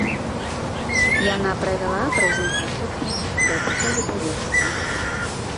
Яна правяла прэзентацыю кніг гэтага выдавецтва.